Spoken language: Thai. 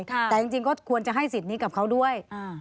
แต่จริงก็ควรจะให้สิทธิ์นี้กับเขาด้วย